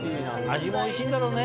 味もおいしいんだろうね。